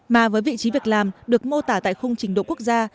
mà với vị trí việc làm được mô tả tại khung trình độ quốc gia